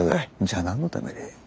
じゃあ何のために？